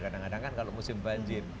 kadang kadang kan kalau musim banjir